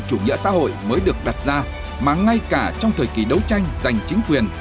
chủ nghĩa xã hội mới được đặt ra mà ngay cả trong thời kỳ đấu tranh giành chính quyền